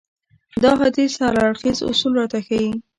دا حديث هر اړخيز اصول راته ښيي.